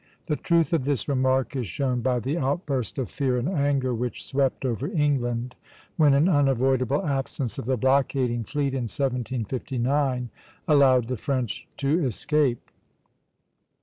The truth of this remark is shown by the outburst of fear and anger which swept over England when an unavoidable absence of the blockading fleet in 1759 allowed the French to escape.